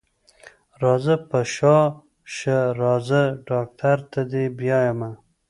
راځه په شا شه راځه ډاکټر ته دې بيايمه.